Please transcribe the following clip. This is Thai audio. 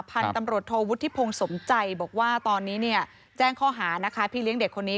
ผ่านตำรวจโทวุทธิพงศ์สมใจบอกว่าตอนนี้แจ้งข้อหาพี่เลี้ยงเด็กคนนี้